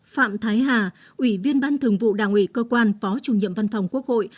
phạm thái hà ủy viên ban thường vụ đảng ủy cơ quan phó chủ nhiệm văn phòng quốc hội